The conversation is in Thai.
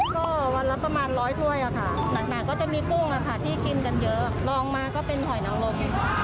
ก็วันละประมาณร้อยถ้วยอะค่ะหนักก็จะมีกุ้งที่กินกันเยอะลองมาก็เป็นหอยนังลม